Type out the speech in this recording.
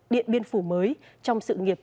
điện biên phủ mới trong sự nghiệp